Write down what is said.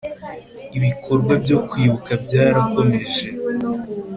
Ibikorwa byo Kwibuka byarakomeje.